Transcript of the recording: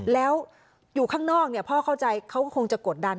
แล้วอยู่ข้างนอกพ่อเข้าใจเขาก็คงจะกดดัน